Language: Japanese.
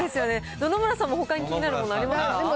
野々村さんもほかに気になるものありますか？